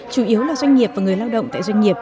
chủ yếu là doanh nghiệp và người lao động tại doanh nghiệp